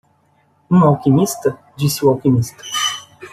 "Um alquimista?" disse o alquimista.